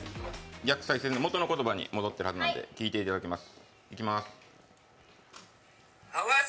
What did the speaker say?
逆再生、元の言葉に戻っているはずなんで、聞いていただきます。